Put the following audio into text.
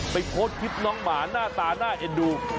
โพสต์คลิปน้องหมาหน้าตาน่าเอ็นดู